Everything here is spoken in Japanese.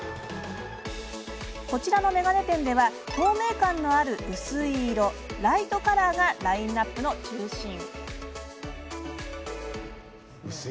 こちらの眼鏡店では透明感のある薄い色ライトカラーがラインナップの中心。